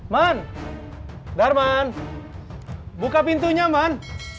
man darman buka pintunya man